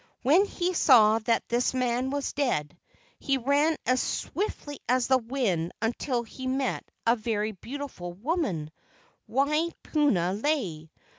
When he saw that this man was dead, he ran as swiftly as the wind until he met a very beautiful woman, Wai puna lei.